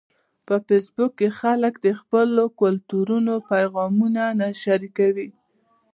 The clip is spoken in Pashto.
په فېسبوک کې خلک د خپلو کلتورونو پیغامونه شریکوي